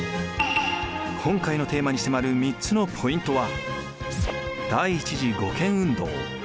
今回のテーマに迫る３つのポイントは。